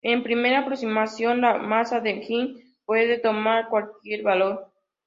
En primera aproximación, la masa del Higgs puede tomar cualquier valor.